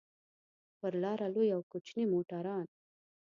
پر لاره لوی او کوچني موټران.